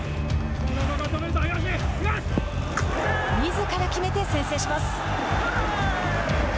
みずから決めて先制します。